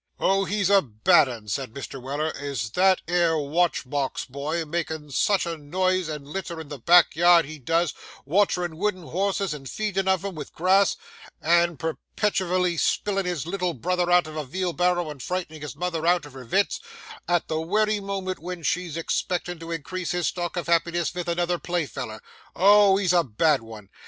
'O, he's a bad 'un,' said Mr. Weller, 'is that 'ere watch box boy, makin' such a noise and litter in the back yard, he does, waterin' wooden horses and feedin' of 'em vith grass, and perpetivally spillin' his little brother out of a veelbarrow and frightenin' his mother out of her vits, at the wery moment wen she's expectin' to increase his stock of happiness vith another play feller,—O, he's a bad one!